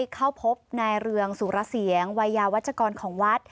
เข้าพบนายเรืองสุรเสียงวัยยาวัชกรของวัด